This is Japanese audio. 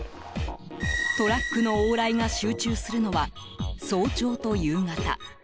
トラックの往来が集中するのは早朝と夕方。